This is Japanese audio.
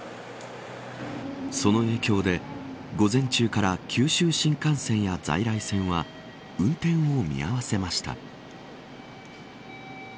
その影響で午前中から九州新幹線や在来線は運転を見合わせました。